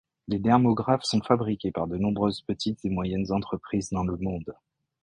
Les dermographes sont fabriqués par de nombreuses petites et moyennes entreprises dans le monde.